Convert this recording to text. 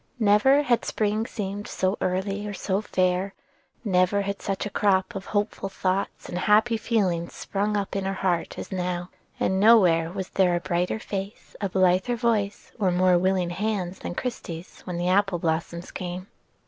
Never had spring seemed so early or so fair, never had such a crop of hopeful thoughts and happy feelings sprung up in her heart as now; and nowhere was there a brighter face, a blither voice, or more willing hands than Christie's when the apple blossoms came.